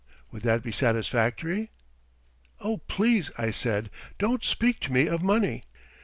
Would that be satisfactory?" "Oh, please," I said, "don't speak to me of money!"